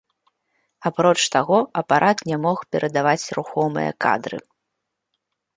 Апроч таго, апарат не мог перадаваць рухомыя кадры.